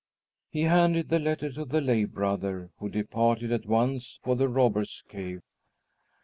He handed the letter to the lay brother, who departed at once for the Robbers' Cave.